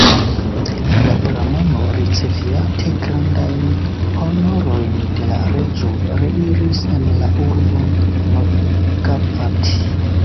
La bramano, riceviate grandajn honorojn de la reĝo, reiris en la urbon Mrigavati.